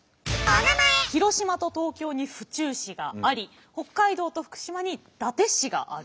広島と東京に府中市があり北海道と福島に伊達市がある。